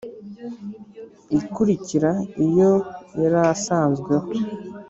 ikurikira iyo yari asanzweho.